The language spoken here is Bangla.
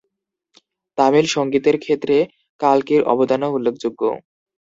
তামিল সংগীতের ক্ষেত্রে কালকির অবদানও উল্লেখযোগ্য।